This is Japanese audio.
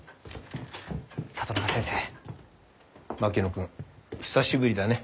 君久しぶりだね。